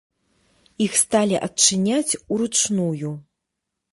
Іх сталі адчыняць уручную.